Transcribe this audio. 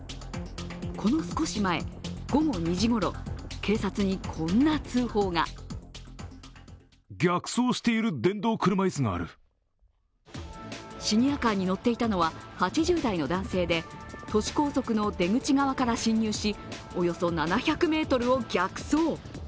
この少し前、午後２時ごろ警察にこんな通報がシニアカーに乗っていたのは８０代の男性で都市高速の出口側から進入し、およそ７００ｍを逆走。